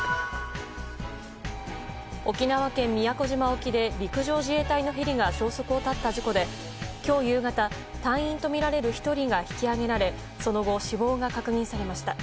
沖縄県宮古島沖で陸上自衛隊のヘリが消息を絶った事故で今日夕方、隊員とみられる１人が引き揚げられその後、死亡が確認されました。